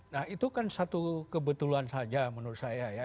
nah itu kan satu kebetulan saja menurut saya ya